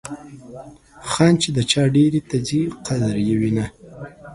خان چې د چا دیرې ته ځي قدر یې وینه.